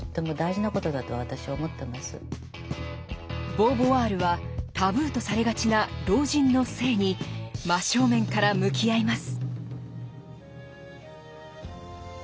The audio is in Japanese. ボーヴォワールはタブーとされがちな老人の性に真正面から向き合います。